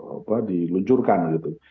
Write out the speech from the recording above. apa di luncurkan gitu